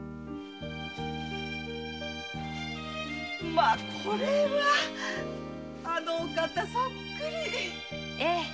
まあこれはあのお方そっくり。